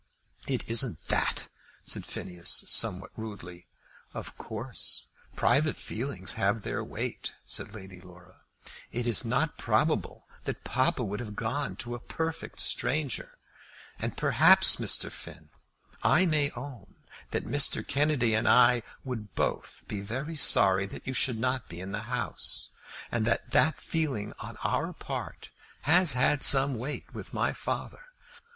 "It isn't that," said Phineas, somewhat rudely. "Of course private feelings have their weight," said Lady Laura. "It is not probable that papa would have gone to a perfect stranger. And perhaps, Mr. Finn, I may own that Mr. Kennedy and I would both be very sorry that you should not be in the House, and that that feeling on our part has had some weight with my father."